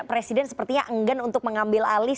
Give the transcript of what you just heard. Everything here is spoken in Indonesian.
presiden sepertinya enggan untuk mengambil alih